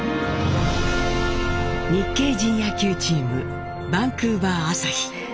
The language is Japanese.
日系人野球チームバンクーバー朝日。